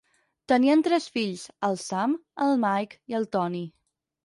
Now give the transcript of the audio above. Tenien tres fills, el Sam, el Mike i el Tony.